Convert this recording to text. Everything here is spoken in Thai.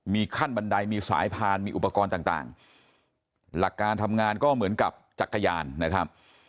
มีขั้นบันไดมีสายพานมีอุปกรณ์ต่างหลักการทำงานก็เหมือนกับจักรยานนะครับ